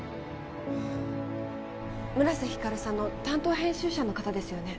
村瀬光琉さんの担当編集者の方ですよね？